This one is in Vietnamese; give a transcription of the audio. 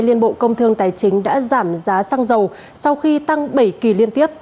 liên bộ công thương tài chính đã giảm giá xăng dầu sau khi tăng bảy kỳ liên tiếp